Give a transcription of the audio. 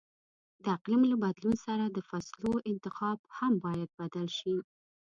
د اقلیم له بدلون سره د فصلو انتخاب هم باید بدل شي.